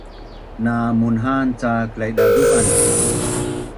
Na munha’an cak Laidazu’an